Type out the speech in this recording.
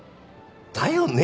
だよね！